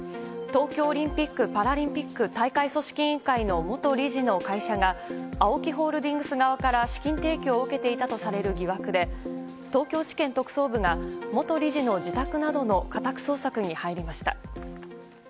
東京オリンピック・パラリンピック大会組織委員会の元理事の会社がＡＯＫＩホールディングス側から資金提供を受けていたとされる疑惑で東京地検特捜部が元理事の自宅などの家宅捜索に入りました。